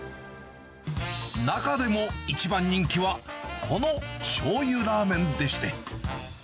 中でも一番人気はこのしょうゆラーメンでして。